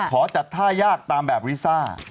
ขอจัดท่ายากตามแบบลิซ่า